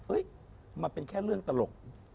มันเป็นแค่เรื่องตลก